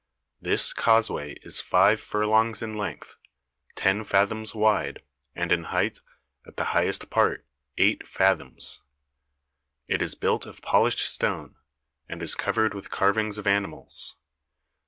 This causeway is five furlongs in length, ten fathoms wide, and in height, at the highest part, eight fathoms. It is built of polished stone, and is covered with carvings of animals.